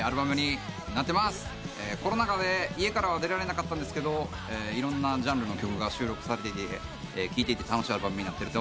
コロナ禍で家からは出られなかったんですけどいろんなジャンルの曲が収録されていて聴いていて楽しいアルバムになってると思います。